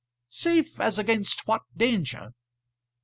"Safe as against what danger?"